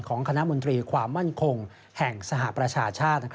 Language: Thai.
คณะมนตรีความมั่นคงแห่งสหประชาชาติ